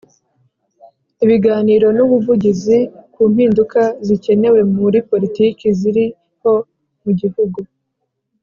Ibiganiro n ubuvugizi ku mpinduka zikenewe muri politiki ziriho mu gihugu